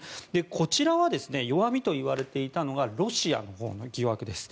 こちらは弱みといわれていたのがロシアのほうの疑惑です。